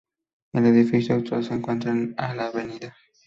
El edificio actual se encuentra en la Av.